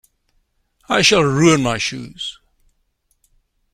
I shall ruin my shoes.